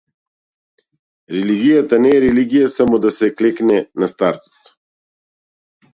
Религијата не е религија - само да се клекне на стартот.